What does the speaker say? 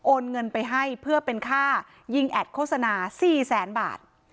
เงินไปให้เพื่อเป็นค่ายิงแอดโฆษณา๔แสนบาท